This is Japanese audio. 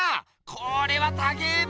これはたけえべ！